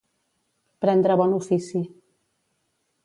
Prendre bon ofici.